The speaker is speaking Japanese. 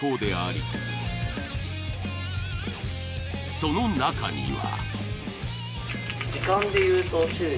その中には。